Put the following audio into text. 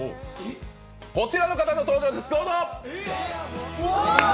こちらの方の登場です、どうぞ！